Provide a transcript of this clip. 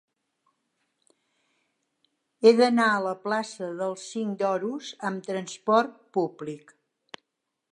He d'anar a la plaça del Cinc d'Oros amb trasport públic.